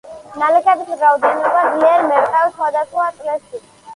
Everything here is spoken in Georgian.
ნალექების რაოდენობა ძლიერ მერყეობს სხვადასხვა წლებში.